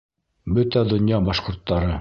Бөтә донъя башҡорттары